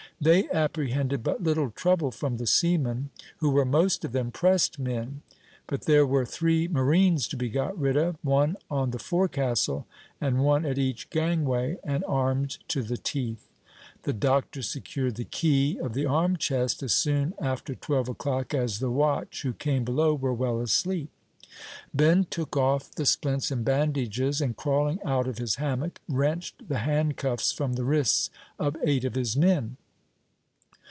They apprehended but little trouble from the seamen, who were most of them pressed men; but there were three marines to be got rid of, one on the forecastle, and one at each gangway, and armed to the teeth. The doctor secured the key of the arm chest as soon after twelve o'clock as the watch, who came below, were well asleep. Ben took off the splints and bandages, and crawling out of his hammock, wrenched the handcuffs from the wrists of eight of his men."